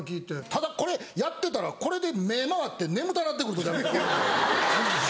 ただこれやってたらこれで目回って眠たなってくる時ある。